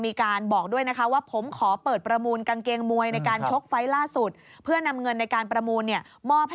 มีลายทองแล้วแต่ศักดิ์ฐานนะครับ